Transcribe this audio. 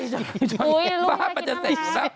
อุ๊ยลูกวิ่งใดคิดนั่นแหละบ้าไปจะเสร็จซะ